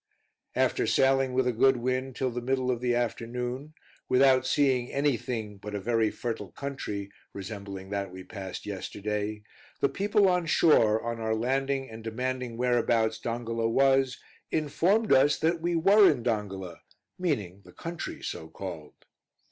After sailing with a good wind till the middle of the afternoon, without seeing any thing but a very fertile country, resembling that we passed yesterday, the people on shore, on our landing and demanding whereabouts Dongola was, informed us that we were in Dongola, meaning the country so called.